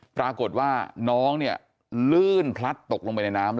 ปรากฏว่าน้องเนี่ยลื่นพลัดตกลงไปในน้ำ